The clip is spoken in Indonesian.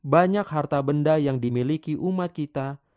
banyak harta benda yang dimiliki umat kita